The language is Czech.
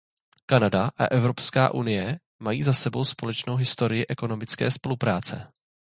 Kanada a Evropská unie mají za sebou společnou historii ekonomické spolupráce.